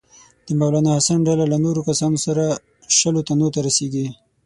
د مولنا حسن ډله له نورو کسانو سره شلو تنو ته رسیږي.